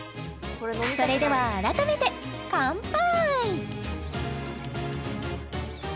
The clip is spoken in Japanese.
それでは改めて乾杯！